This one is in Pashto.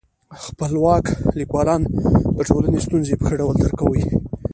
خپلواک لیکوالان د ټولني ستونزي په ښه ډول درک کوي.